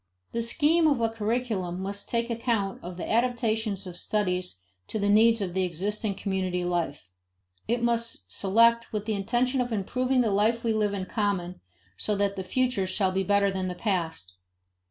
The scheme of a curriculum must take account of the adaptation of studies to the needs of the existing community life; it must select with the intention of improving the life we live in common so that the future shall be better than the past.